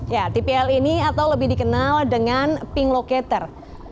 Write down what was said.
ya tpl ini atau lebih dikenal dengan ping locator